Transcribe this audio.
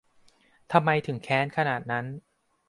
ทำไมถึงแค้นขนาดนั้น